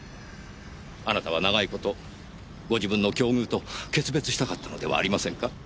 あなたは長い事ご自分の境遇と決別したかったのではありませんか？